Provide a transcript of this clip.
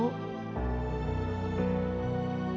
kenapa dia bisa sampai hilang